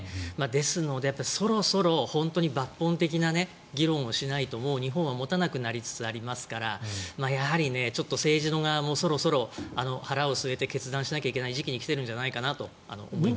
ですのでそろそろ本当に抜本的な議論をしないともう日本は持たなくなりつつありますからやはり、政治の側もそろそろ腹を据えて決断しないといけない時期に来ているんじゃないかと思います。